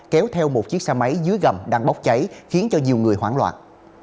kéo theo một chiếc xe máy dưới gầm đang bốc cháy khiến cho nhiều người hoảng loạn